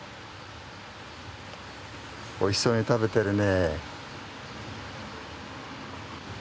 おいしそうに食べてるね。